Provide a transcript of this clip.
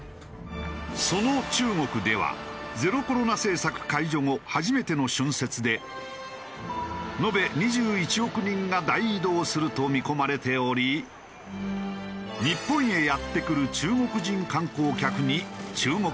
その中国ではゼロコロナ政策解除後初めての春節で延べ２１億人が大移動すると見込まれており日本へやって来る中国人観光客に注目が集まっている。